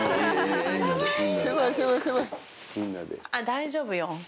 大丈夫よ。